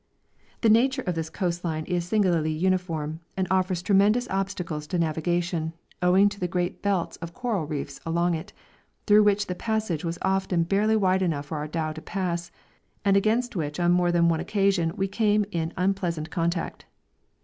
The nature of this coast line is singularly uniform, and offers tremendous obstacles to navigation, owing to the great belt of coral reefs along it, through which the passage was often barely wide enough for our dhow to pass, and against which on more than one occasion we came in unpleasant contact.